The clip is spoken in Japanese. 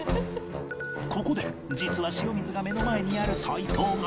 ここで実は塩水が目の前にある齊藤が